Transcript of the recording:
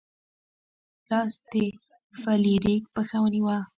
لاس د فلیریک پښه ونیوه.